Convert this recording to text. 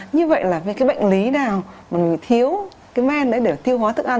như vậy là vì cái bệnh lý nào mà mình thiếu cái men đấy để tiêu hóa thức ăn